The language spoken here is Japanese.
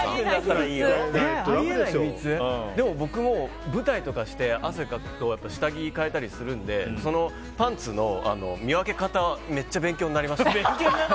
僕も舞台とかして汗かくと下着を替えたりするのでパンツの見分け方めっちゃ勉強になりました。